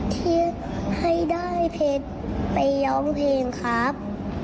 ที่ให้ได้เพชรไปร้องเพลงครับ